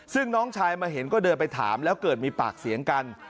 ซึ่งน้องชายมาเห็นก็เดินไปถามแล้วเกิดมีปากเสียงกัน